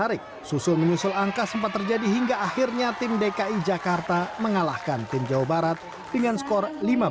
menarik susul menyusul angka sempat terjadi hingga akhirnya tim dki jakarta mengalahkan tim jawa barat dengan skor lima satu